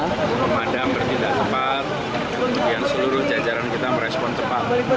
pemadam bertindak tepat kemudian seluruh jajaran kita merespon cepat